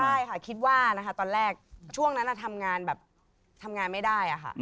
ใช่ค่ะคิดว่านะคะตอนแรกช่วงนั้นทำงานแบบทำงานไม่ได้ค่ะ